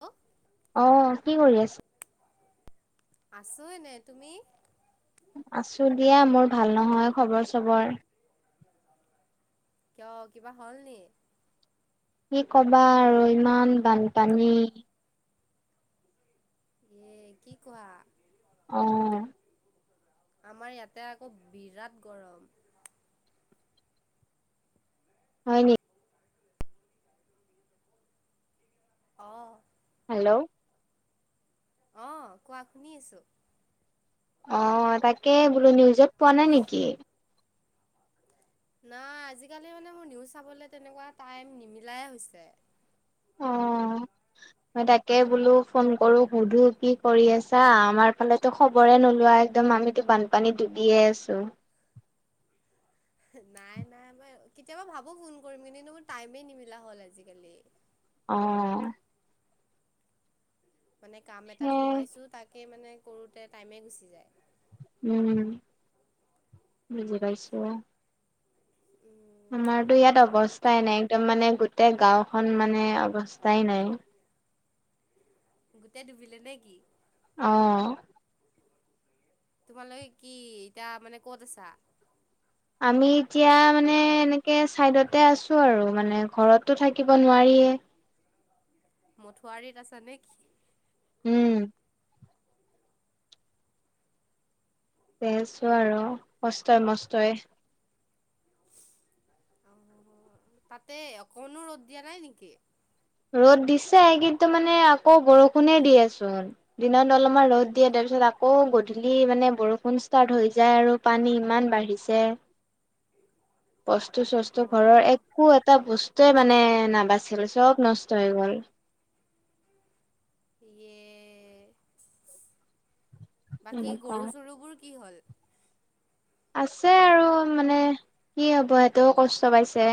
হ'। অ কি কৰি আছা? আছো এনে। তুমি? আছো দিয়া, মোৰ ভাল নহয় খবৰ চবৰ। কিয় কিবা হ'ল নি? কি কবা আৰু ইমান বানপানী। এ কি কোৱা? অঁ। আমাৰ ইয়াতে আকৌ বিৰাট গৰম। হয় নি? অঁ। হেল্ল'! অ কোৱা শুনি আছো। অ তাকে বোলো নিউজত পোৱা নাই নেকি? নাই আজিকালি মানে মোৰ নিউজ চাব তেনেকুৱা টাইম নিমিলাই হৈছে। অঁ। মই তাকে বোলো ফোন কৰো সুধো কি কৰি আছা, আমাৰ ফালেটো খবৰে নোলোৱা একদম আমিতো বানপানী ডুবিয়ে আছো। নাই নাই মই কেতিয়াবা ভাবো ফোন কৰিম কিন্তু, মোৰ টাইমেই নিমিলা হ'ল আজিকালি। অ মানে কাম এটাত সেয়াই সোমাইছো তাকে মানে কৰোতে টাইমে গুচি যায়। উম বুজি পাইছো। উম, আমাৰতো ইয়াত মানে ক অৱস্থাই নাই একদম মানে গোটেই গাওঁখন মানে অৱস্থাই নাই। গোটেই ডুবিলে নে কি? অঁ। তোমালোকে কি এতিয়া মানে ক'ত আছা? আমি এতিয়া মানে এনেকে চাইডতে আছো আৰু মানে ঘৰতো থাকিব নোৱাৰি। য়ে। মাথাউৰিত আছা নে কি? উম। আছো আৰু কষ্টই মস্তই। অ তাতে অকনো ৰ'দ দিয়া নাই নেকি? ৰ'দ দিছে কিন্তু মানে আকৌ বৰষুণে দিয়েচোন, দিনত অলপমান ৰ'দ দিয়ে তাৰপিছত তাৰপিছত আকৌ গধূলি মানে বৰষুণ ষ্টাৰ্ট হৈ যায় আৰু পানী ইমান বাঢ়িছে। বস্তু চস্তু ঘৰৰ অ', একো এটা বস্তুৱে মানে নাবাচিল চব নষ্ট হৈ গ'ল। [inaudible] এয়ে বাকী এনেকুৱা গৰু চৰু বোৰ কি হ'ল? আছে আৰু মানে কি হ'ব সেইটো কষ্ট পাইছে।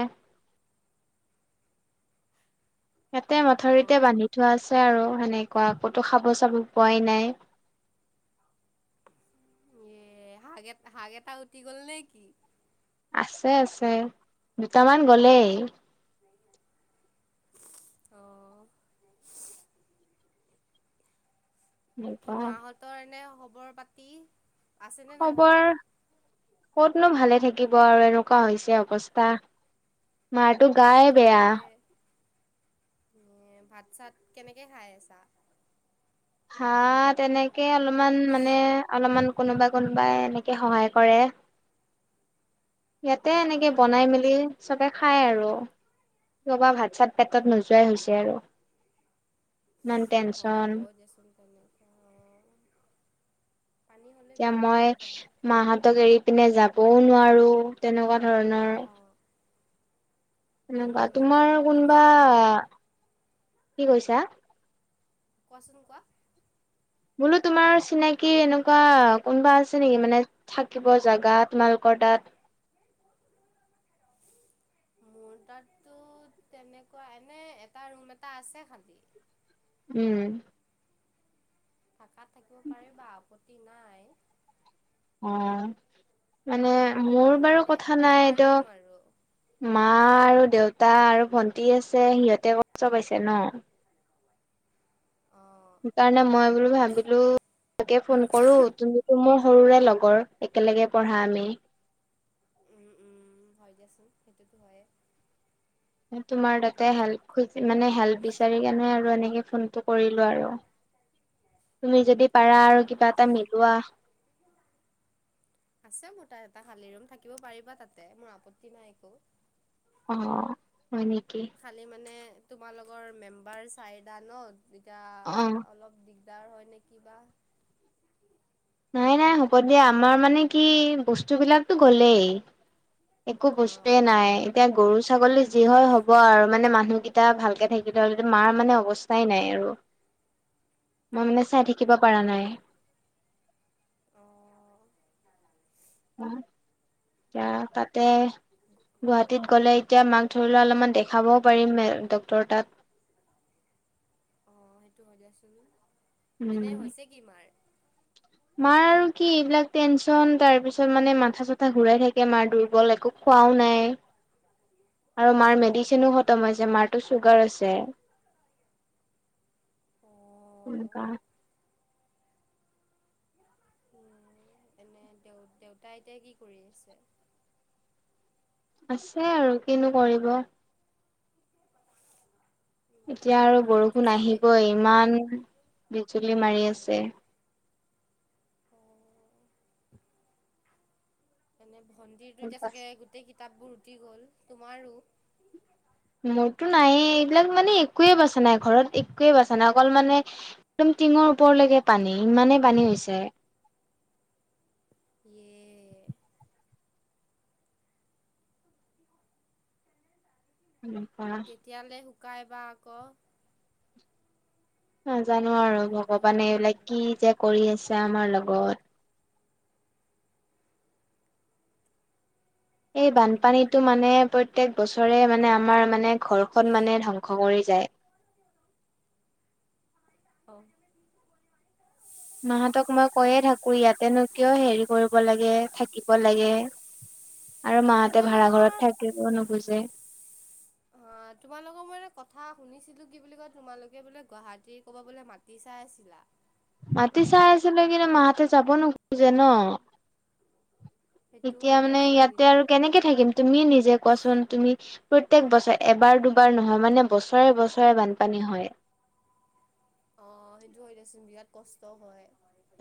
ইয়াতে অ', মাথাউৰিতে বান্ধি থোৱা আছে। আৰু সেনেকুৱা আকৌতো খাব চাব পোৱাই নাই। এ শাক এ শাক এটা উটি গল নে কি? আছে আছে দুটামান গলেই। অঁ'। কি এনেকুৱা মাহঁতৰ এনে খবৰ পাতি আছে নে নাই খবৰ ভালে? কতনো ভালে থাকিব আৰু এনেকুৱা হৈছে অৱস্থা। মাৰতো গাই সেইটোতো বেয়া হয়ে এ ভাত চাত কেনেকে খাই আছা। হা তেনেকে অলপমান মানে অলপমান কোনোবাই কোনোবাই এনেকে সহায় কৰে। ইয়াতে এনেকে অ', বনাই মেলি চবে খায় আৰু। কবা ভাত চাত পেটত নোযোৱাই হৈছে আৰু। ইমান অ টেনচন হ'ব দেচোন তেনেকে অ। পানী হ'লে এতিয়া বিৰাট মই দিগদাৰ। মাহতক এৰি পিনে যা- বও নোৱাৰো তেনেকুৱা ধৰণৰ। অ', উম, এনেকুৱা সেইটো তোমাৰ হয় মই কোনোবা ভাব কি কৈছা। কোৱাচোন কোৱা। বোলো তোমাৰ চিনাকি এনেকুৱা কোনোবা আছে নেকি মানে থাকিব জেগাত। তোমাৰ লোক তাত। মোৰ তাততো তেনেকুৱা এনে এটা ৰুম এটা আছে খালি। উম। থাকাত থাকিব পাৰে বা আপত্তি নাই। অ মানে মোৰ মানে বাৰু খালি কথা এটা নাই ত ৰুম আৰু। মা আৰু দেউতা আৰু ভন্টি আছে সিহঁতে কষ্ট পাইছে ন। অ' সেইকাৰণে মই বোলো ভাবিলো তাকে ফোন কৰো তুমিতো মোৰ সৰুৰে লগৰ একেলগে পঢ়া আমি। উম উম হয় দিয়চোন সেইটোতো হয়ে। তোমাৰ তাতে হেল্প খ মানে হেল্প বিচাৰি কেনে আৰু এনেকে ফোনটো কৰিলো আৰু। তুমি যদি পাৰা আৰু অ' কিবা এটা আছে মিলোৱা। আছে মোৰ তাত এটা খালি ৰুম থাকিব পাৰিবা তাতে মোৰ আপত্তি নাই একো। অ। হয় নেকি খালি মানে তোমালোকৰ মেম্বাৰ চাইদা নত। এতিয়া অ অলপ দিগদাৰ হয় নে কিবা? নাই নাই হ'ব দিয়া আমাৰ মানে কি বস্তু বিলাকতো গলেই। একো বস্তুয়ে অ' নাই এতিয়া গৰু ছাগলী যি হয় হ'ব আৰু, মানে মানুহকেইটা ভালকে থাকিলে হ'লে মাৰ মানে অৱস্থাই নাই আৰু। মই মানে চাই থাকিব পাৰা নাই। অ' অ ক তাতে গুৱাহাটীত গ'লে এতিয়া মাক ধৰি লোৱা অলপমান দেখাবও পাৰিম ডক্তৰ তাত। [unintelligible] অ সেইটো হয় দিয়াচোন এনে উম হৈছে কি মাৰ? মাৰ আৰু কি এইবিলাক টেনচন তাৰ পিছত মানে মাথা চাথা ঘুৰাই থাকে মাৰ দুৰ্বল একো। খোৱাও নাই। আৰু মাৰ মেডিচিনো খতম হৈছে মাৰতটো চুগাৰ আছে। অ', সনেকা। উ এনে দেউ দেউতা এতিয়া কি কৰি আছে? আছে আৰু কিনো কৰিব। এতিয়া আৰু ভণ্টিৰ বৰষুণ চাগে আহিবই ইতাতো ইমান বিজুলী মাৰি ইয়ে আছে। [unintelligible] অ' এনে ভন্টিৰতটো এতিয়া চাগে গোটেই কিতাপবোৰ উটি গ'ল তোমাৰো? মোৰতো নাইে এইবিলাক মানে একোৱয়ে বাচা নাই ঘৰত একোৱয়ে বাচা নাই। অকল মানে একদম টিঙৰ ওপৰলৈকে পানী ইমানেই পানী হৈছে। এ [unintelligible] এনেকুৱা। গাই ব ক। নাজানো আৰু ৰ'দো ভগৱানে এইবিলাক কি যে কৰি আছে আমাৰ লগত। এই উম বানপানীতটো মানে প্ৰত প্ৰত্যেক বছৰে মানে আমাৰ মানে ঘৰখন মানে ধ্বংস কৰি যায়। [unintelligible] অ। মাহতক মই কৈয়ে থাকো ইয়াতেনো কিয় হেৰি কৰিব লাগে থাকিব লাগে। [unintelligible] ভাড়াঘৰত তোমালোকৰ থাকিব নোখোজে অ তোমালোকৰ মান কথা শুনিছিলো কি বুলি কয় তোমালোকে বোলে গুৱাহাটী ক'বা বোলে মাতি চাই আছিলা? মাতি চাই আছিলো কিন্তু মাহঁতে যাব নোখোজে ন। সেইটো এতিয়া হয় মানে ইয়াতে দিয়াচোন আৰু কেনেকে থাকিম তুমি নিজে কোৱাচোন? তুমি প্ৰতয়েক বছৰে এবাৰ দুবাৰ নহয় মানে বছৰে বছৰে বানপানী হয়। [unintelligible] অ সেইটো হয় দেচোন বিৰাট কষ্ট হয়।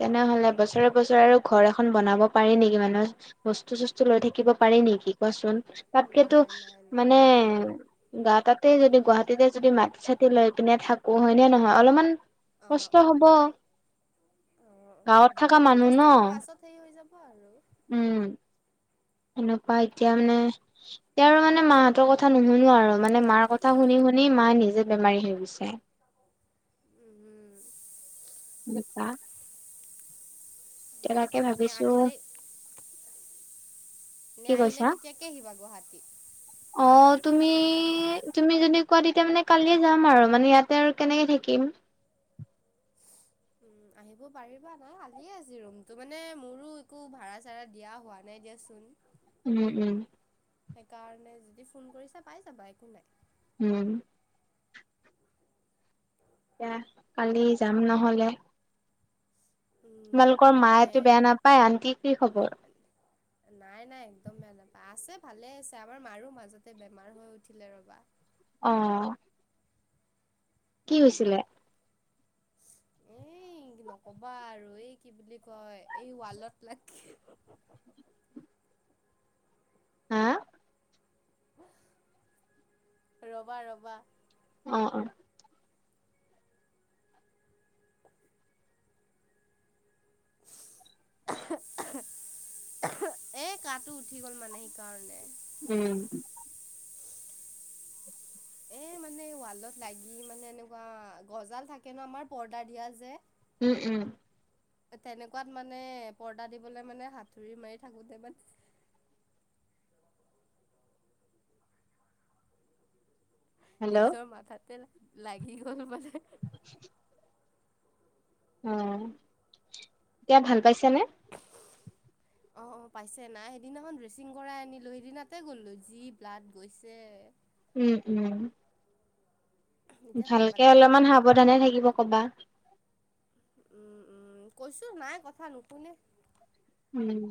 তেনেহলে বছৰে বছৰে ঘৰ খন বনাব পাৰি নেকি? মানুহে বস্তু চস্তু লৈ থাকিব পাৰি নেকি কোৱাচোন। তাতকেতো নাই নাই নাই মানে নোৱাৰে। গা তাতে যদি গুৱাহাটীতে যদি মা চতি লৈ পিনে থাকো হয়নে নহয় অলপমান অ', কষ্ট হব। অ', গাঁৱত থকা দুদিনমান মানুহ কষ্ট ন। হ'ব পাছত হেৰি হৈ যাব আৰু উম। এনেকুৱা এতিয়া মানে, তেওঁৰ মানে মাহঁতৰ কথা নুশুনো আৰু। মানে মাৰ কথা শুনো শুনি শুনি মায়ে নিজে বেমাৰী হৈ গৈছে। উম, নকা। [inaudible] [inaudible] এনে ভাবিছো। আহিলে নে কি আহিলে কৈছা কেতিয়াকে আহিবা গুৱাহাটী? অ তুমি তুমি যদি কোৱা তেতিয়া মানে কালিয়ে যাম আৰু মানে ইয়াতে আৰু কেনেকে থাকিম। উ। [inaudible] উ। উম, [inaudible] আহিব পাৰিবা নাই খালিয়ে আছে ৰুমটো মানে মোৰো একো ভাড়া চাড়া দিয়া হোৱা নাই দিয়াচোন। উম উম। সেইকাৰণে যদি ফোন কৰিছা পাই যাবা একো নাই। উম। এতিয়া কালি যাম নহলে। উম, তোমালোকৰ মা এনে এইটো বেয়া নাপায় আনটি কি খবৰ। নাই নাই একদম বেয়া নাপায় আছে। ভালে আছে আমাৰ মাৰো মাজতে বেমাৰ হৈ উঠিলে ৰবা। অ। কি উম। হৈছিলে? [unintelligible] কবা আৰু এই কি বুলি কয় এই ৱালত লাগি [unintelligible] হ ৰবা ৰবা। অ অ। [unintelligible] এ কাটো উঠি গ'ল মানে সেইকাৰণে। উম। এ মানে ৱালত লাগি মানে এনেকুৱা গজাল থাকে ন আমাৰ পৰ্দাৰ দিয়া যে। উম উম। তেনেকুৱাত মানে পৰ্দা দিবলে মানে হাঁতুৰি মাৰি থাকোতে মান। [unintelligible] হেল্ল' নিজৰ অ মাথাতে লাগি গ'ল মানে [unintelligible] অ এতিয়া ভাল পাইছ নে? [inaudible] অ অ পাইছে নাই সেইদিনাখন ড্ৰেচিং কৰাই আনিলো, সেইদিনাতে গ'লো যি ব্লাড গৈছে। উম উম এতিয়া ভাল ভালকে পালে বাৰু অলপমান সাৱধানে থাকিব কবা। উম'-উম', কৈছো নাই কথা নুশুনে। উম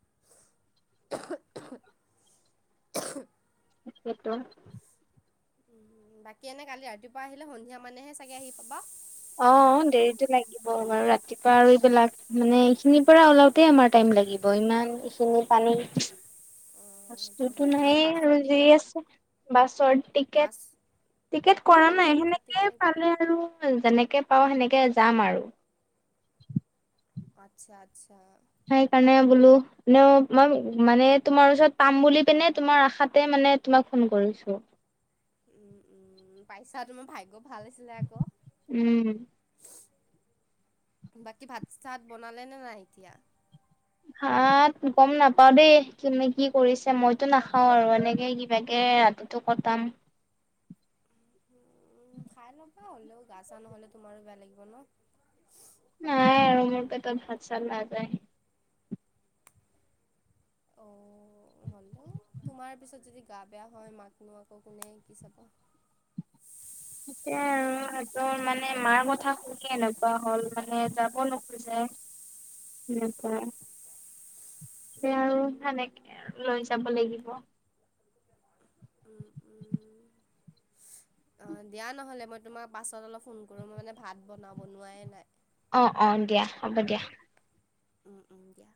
[unintelligible] হেতু উ বাকী এনে কালি ৰাতিপুৱা আহিলে সন্ধিয়া মানেহে চাগে আহি পাব। অ দেৰিতো লাগিব বাৰু ৰাতিপুৱা আৰু এইবিলাক মানে এইখিনিৰ পৰা ওলাওঁতে আমাৰ টাইম লাগিব ইমান এইখিনি পানী অ সেইটো হেতো হয় এনে নাইয়ে বাছৰ আৰু যি টিকেট আছে বাছৰ বাছ টিকেট। টিকেট কৰা নাই অনলাইন কাটিবা সেনেকেই নেকি পালে আৰু যেনেকে পাওঁ সেনেকে যাম আৰু আচ্ছা আচ্ছা সেই কাৰণে বোলো এনেও মই মানে তোমাৰ ওচৰত পাম বুলি পিনে তোমাৰ আশাতে মানে তোমাক ফোন কৰিছো। উম পাইছা তোমাৰ ভাগ্য ভাল আছিলে আকৌ উম বাকী ভাত চাত বনালে নে নাই এতিয়া? ভাত গম নাপাও দেই কোনে কি কৰিছে মইতো নাখাওঁ আৰু এনেকে কিবাকে টো কটাম খাই ল'বা হ'লেও গা চা নহ'লে তোমাৰো বেয়া লাগিব ন। নাই আৰু মোৰ পেটত ভাত চাত নাযায় অ' [inaudible] তোমাৰ পিছত যদি গা বেয়া হয় মাকনো আকৌ কোনে কি চাব। [inaudible] তাকে আৰু সিহতৰ মানে মাৰ কথা শুনে এনেকুৱা হ'ল মানে যাব নোখোজে। উম', ক [unintelligible] সে আৰু উম, সনেকে লৈ যাব লাগিব। [inaudible] উম, উম। অ', দিয়া নহলে মই তোমাক পাছত অলপ ফোন কৰো মই মানে ভাত বনাও, বনোৱাই নাই। অ'- অ' দিয়া, হ'ব দিয়া। উম'- উম' দিয়া।